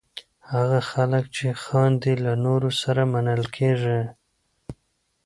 هغه خلک چې خاندي، له نورو سره منل کېږي.